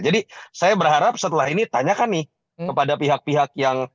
jadi saya berharap setelah ini tanyakan nih kepada pihak pihak yang dianggap